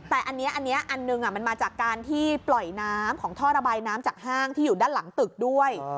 แต่อันนี้อันหนึ่งมันมาจากการที่ปล่อยน้ำของท่อระบายน้ำจากห้างที่อยู่ด้านหลังตึกด้วย